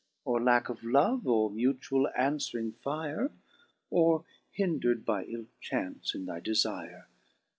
Or lacke of love, or mutuall aniwering fire ? Or hindred by ill chance in thy defire